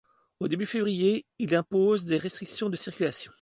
Au début février, ils imposent des restrictions de circulation.